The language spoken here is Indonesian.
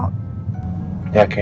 oke kalau gitu